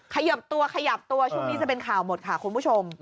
เขยิบตัวขยับตัวช่วงนี้จะเป็นข่าวหมดค่ะคุณผู้ชม